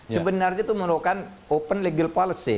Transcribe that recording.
sebenarnya itu merupakan open legal policy